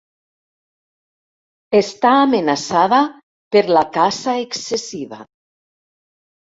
Està amenaçada per la caça excessiva.